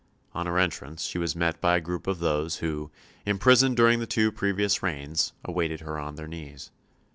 On her entrance she was met by a group of those who, imprisoned during the two previous reigns, awaited her on their knees.